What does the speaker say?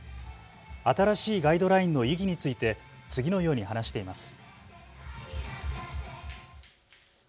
新しいガイドラインの意義について次のように話しています。